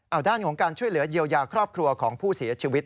เอาด้านของการช่วยเหลือเยียวยาครอบครัวของผู้เสียชีวิต